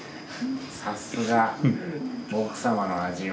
さすが奥様の味を。